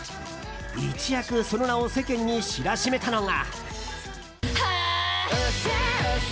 一躍その名を世間に知らしめたのが。